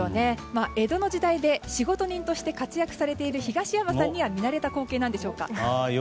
江戸の時代で仕事人として活躍されている東山さんには見慣れた光景なんでしょうか？